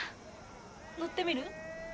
乗ってみる？